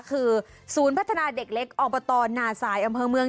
คือศูนย์พัฒนาเด็กเล็กอบตนาสายอำเภอเมือง